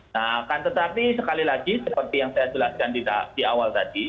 nah akan tetapi sekali lagi seperti yang saya jelaskan di awal tadi